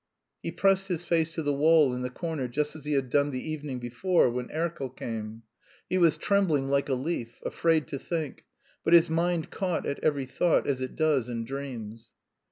He pressed his face to the wall in the corner just as he had done the evening before when Erkel came. He was trembling like a leaf, afraid to think, but his mind caught at every thought as it does in dreams.